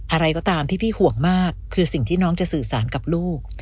อะไรก็ตามที่พี่ห่วงมากคือสิ่งที่น้องจะสื่อสารกับลูก